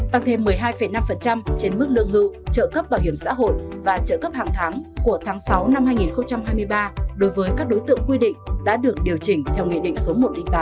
tăng thêm một mươi hai năm trên mức lương hưu trợ cấp bảo hiểm xã hội và trợ cấp hàng tháng của tháng sáu năm hai nghìn hai mươi ba đối với các đối tượng quy định đã được điều chỉnh theo nghị định số một trăm linh tám